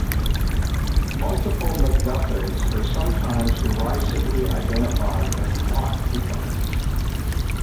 Multiple MacGuffins are sometimes derisively identified as plot coupons.